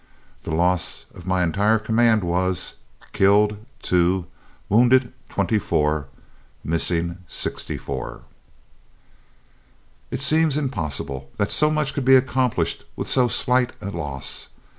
The loss of my entire command was: killed, 2; wounded, 24; missing, 64." It seems impossible that so much could be accomplished with so slight a loss.